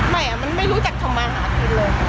มันไม่รู้จักชาวมหาดเลย